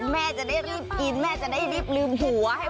แม่จะได้เริ่มความทริปให้หลืมหัว